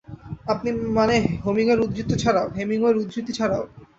আপনি মানে হেমিংওয়ের উদ্ধৃতি ছাড়াও?